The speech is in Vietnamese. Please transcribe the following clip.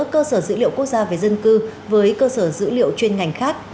cơ sở dữ liệu quốc gia về dân cư với cơ sở dữ liệu chuyên ngành khác